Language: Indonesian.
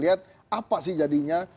apa sih jadinya